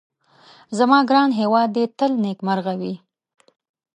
زما ګران هيواد دي تل نيکمرغه وي